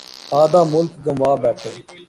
آدھا ملک گنوا بیٹھے۔